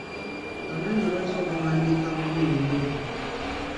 Amannya lwaki ogawandiika bubi nnyo?